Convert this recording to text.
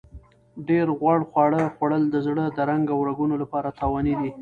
ډېر غوړ خواړه خوړل د زړه د رنګ او رګونو لپاره تاواني دي.